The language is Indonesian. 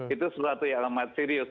itu sesuatu yang amat serius